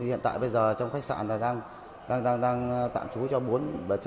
hiện tại bây giờ trong khách sạn đang tạm trú cho bảy mươi một khách